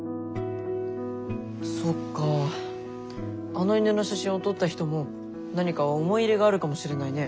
あの犬の写真を撮った人も何か思い入れがあるかもしれないね。